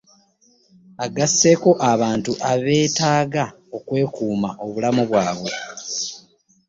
Agasseeko abantu abeetaaga okwekuuma obulamu bwabwe